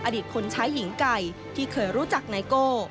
อดีตคนใช้หญิงไก่ที่เคยรู้จักไนโก้